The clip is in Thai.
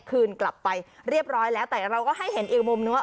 คืนกลับไปเรียบร้อยแล้วแต่เราก็ให้เห็นอีกมุมนึงว่า